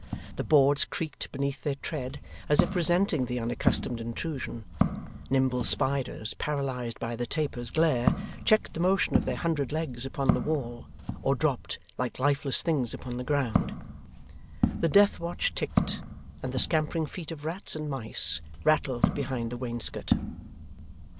The boards creaked beneath their tread, as if resenting the unaccustomed intrusion; nimble spiders, paralysed by the taper's glare, checked the motion of their hundred legs upon the wall, or dropped like lifeless things upon the ground; the death watch ticked; and the scampering feet of rats and mice rattled behind the wainscot.